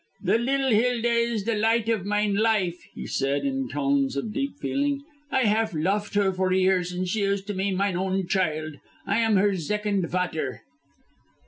"The liddle Hilda is the light of mine life," he said, in tones of deep feeling. "I haf lofed her for years, and she is to me mine own child. I am her zecond vater."